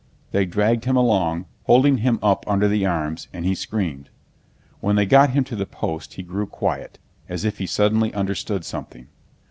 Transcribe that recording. They dragged him along, holding him up under the arms, and he screamed. When they got him to the post he grew quiet, as if he suddenly understood something.